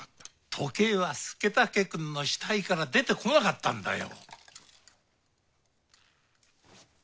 時計は佐武くんの死体から出てこなかったんだよ。